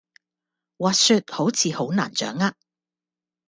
滑雪好似好難掌握